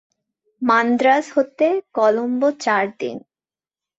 মান্দ্রাজ হতে কলম্বো চার দিন।